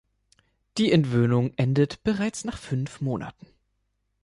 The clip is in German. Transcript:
Die Entwöhnung endet bereits nach fünf Monaten.